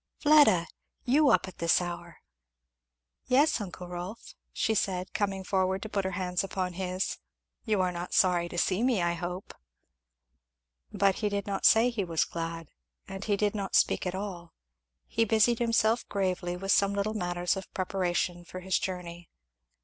"Fleda! you up at this hour!" "Yes, uncle Rolf," she said coming forward to put her hands upon his, "you are not sorry to see me, I hope." But he did not say he was glad; and he did not speak at all; he busied himself gravely with some little matters of preparation for his journey.